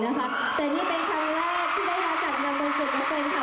แต่นี้เป็นครั้งแรกที่ได้มาจัดวันเกิดแฟนค่ะ